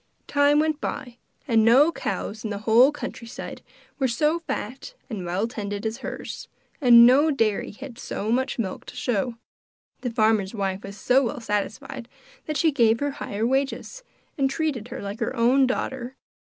Time went by, and no cows in the whole country side were so fat and well tended as hers, and no dairy had so much milk to show. The farmer's wife was so well satisfied that she gave her higher wages, and treated her like her own daughter.